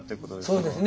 そうですね。